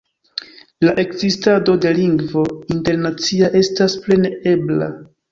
La ekzistado de lingvo internacia estas plene ebla.